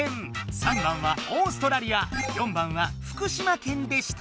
３番はオーストラリア４番は福島県でした。